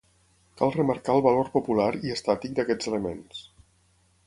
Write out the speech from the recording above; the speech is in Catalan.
Cal remarcar el valor popular i estàtic d'aquests elements.